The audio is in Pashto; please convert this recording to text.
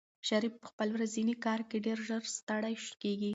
شریف په خپل ورځني کار کې ډېر ژر ستړی کېږي.